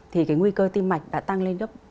thì cái nguy cơ tim mạch đã tăng lên gấp